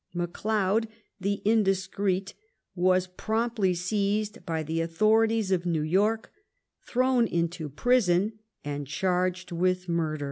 McLeod, the indiscreet, was promptly seized by the authorities of New York, thrown into prison, and charged with murder.